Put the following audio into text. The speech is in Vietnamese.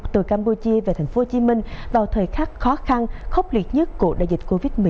từ campuchia về tp hcm vào thời khắc khó khăn khốc liệt nhất của đại dịch covid một mươi chín